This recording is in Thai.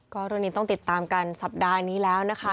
ก็เรื่องนี้ต้องติดตามกันสัปดาห์นี้แล้วนะคะ